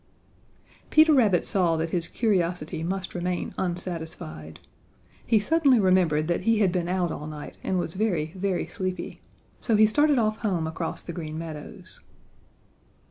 Peter Rabbit saw that his curiosity must remain unsatisfied. He suddenly remembered that he had been out all night and was very, very sleepy, so he started off home across the Green Meadows.